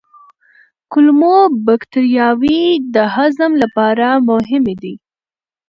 کولمو بکتریاوې د هضم لپاره مهمې دي.